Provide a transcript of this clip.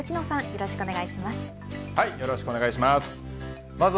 よろしくお願いします。